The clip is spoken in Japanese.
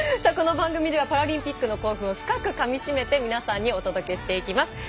この番組ではパラリンピックの興奮を深くかみしめて皆さんにお届けしていきます。